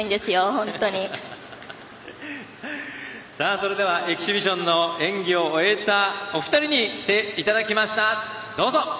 それではエキシビションの演技を終えたお二人にきていただきました、どうぞ。